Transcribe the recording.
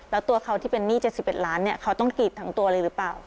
แล้วตัวเขาที่เป็นหนี้๗๑ล้านเนี่ยเขาต้องกรีดทั้งตัวเลยหรือเปล่า